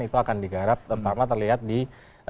itu akan digarap terutama terlihat di